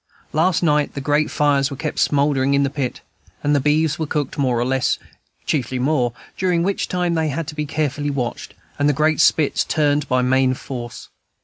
Last night the great fires were kept smouldering in the pit, and the beeves were cooked more or less, chiefly more, during which time they had to be carefully watched, and the great spits turned by main force.